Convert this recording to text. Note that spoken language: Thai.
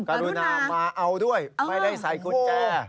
กรุณามาเอาด้วยไม่ได้ใส่กุญแจ